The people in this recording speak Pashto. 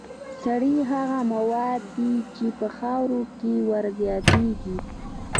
سرې هغه مواد دي چې په خاوره کې ور زیاتیږي.